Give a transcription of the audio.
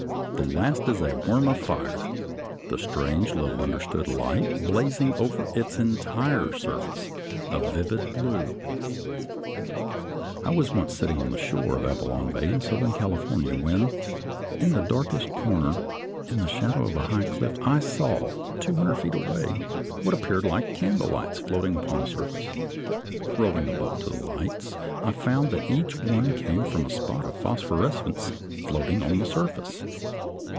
The last is a worm of fire, the strange, little understood light blazing over its entire surface, a vivid blue. [Illustration: FIG. 77. A tube secreting worm.] I was once sitting on the shore of Avalon Bay in southern California when, in the darkest corner in the shadow of a high cliff, I saw, two hundred feet away, what appeared like candle lights floating upon the surface. Rowing a boat to the lights, I found that each one came from a spot of phosphorescence floating on the surface.